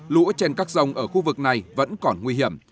lũ trên các rông ở khu vực này vẫn còn nguy hiểm